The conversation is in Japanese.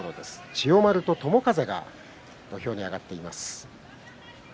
千代丸と友風が土俵に上がっています。